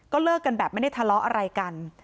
เลิกกันแบบไม่ได้ทะเลาะอะไรกัน